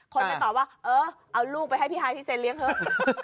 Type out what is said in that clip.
คนไปตอบว่าเออเอาลูกไปให้พี่ฮายพี่เซนเลี้ยเถอะ